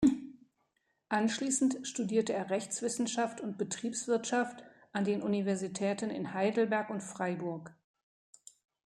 Anschließend studierte er Rechtswissenschaft und Betriebswirtschaft an den Universitäten in Heidelberg und Freiburg.